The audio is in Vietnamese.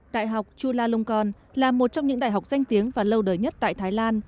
đại học chulalongkorn là một trong những đại học danh tiếng và lâu đời nhất tại thái lan